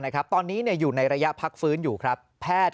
อยู่ไม่ดีละเดียวผมได้พยาบาท